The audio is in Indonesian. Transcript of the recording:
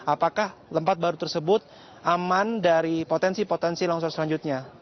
apakah tempat baru tersebut aman dari potensi potensi longsor selanjutnya